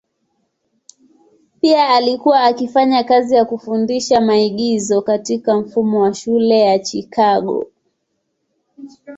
Pia alikuwa akifanya kazi ya kufundisha maigizo katika mfumo wa shule ya Chicago.